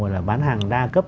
là bán hàng đa cấp